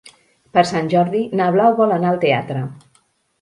Per Sant Jordi na Blau vol anar al teatre.